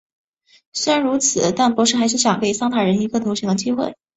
虽然如此但博士还想给桑塔人一个投降的机会。